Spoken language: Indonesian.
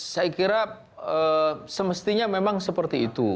saya kira semestinya memang seperti itu